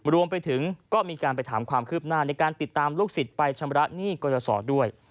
รวมไปถึงก็มีการไปถามความคืบหน้าในการติดตามลูกศิษย์ไปชำระหนี้กรสอด้วย